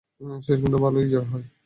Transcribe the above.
শেষ পর্যন্ত ভালোরই জয় হয়।